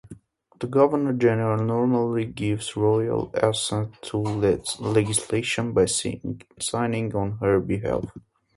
The Governor-General normally gives Royal Assent to legislation by signing on her behalf.